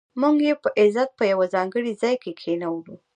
موږ یې په عزت په یو ځانګړي ځای کې کېنولو.